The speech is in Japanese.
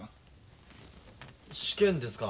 試験ですか？